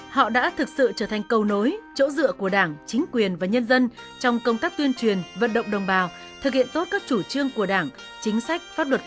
họ đã thực sự trở thành cầu nối chỗ dựa của đảng chính quyền và nhân dân trong công tác tuyên truyền vận động đồng bào thực hiện tốt các chủ trương của đảng chính sách pháp luật